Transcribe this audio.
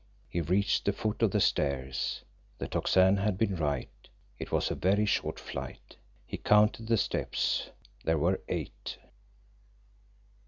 He reached the foot of the stairs. The Tocsin had been right; it was a very short flight. He counted the steps there were eight.